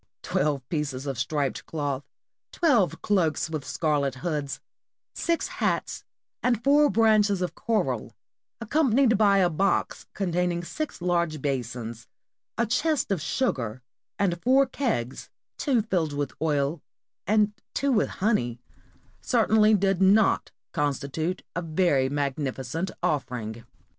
"Twelve pieces of striped cloth, twelve cloaks with scarlet hoods, six hats, and four branches of coral, accompanied by a box con 604 PORTUGAL OPENS COMMERCE WITH INDIA taining six large basins, a chest of sugar, and four kegs, two filled with oil, and two with honey," certainly did not constitute a very magnificent offering.